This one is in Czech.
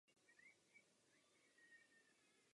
Po roční účasti opětovně sestoupil do Pražského přeboru.